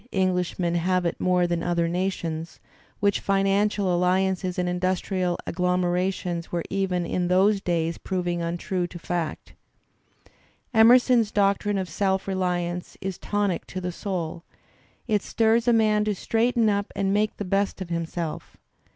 Englishmen have it more than other nations, which financial alliances and industrial agglomerations were even in those days proving untrue to fact. Emerson's doctrine of self reliance is tonic to the soul, it I stirs a man to straighten up and make the best of himself.